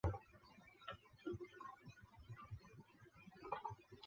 总裁为张安喜。